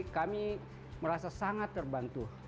kami merasa sangat terbantu